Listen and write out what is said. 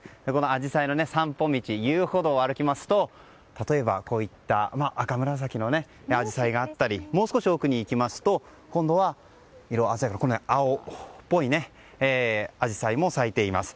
アジサイの散歩道、遊歩道を歩きますと、例えば赤紫のアジサイがあったりもう少し奥に行きますと今度は色鮮やかな青っぽいアジサイも咲いています。